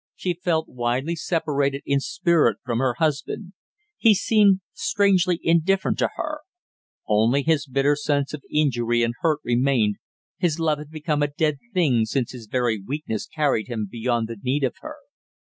She felt widely separated in spirit from her husband; he seemed strangely indifferent to her; only his bitter sense of injury and hurt remained, his love had become a dead thing, since his very weakness carried him beyond the need of her.